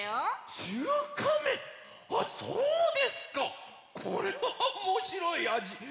あそうですか。これはおもしろいあじ。